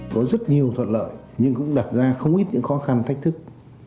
có rất nhiều thuận lợi nhưng cũng đặt ra không ít những khó khăn thách thức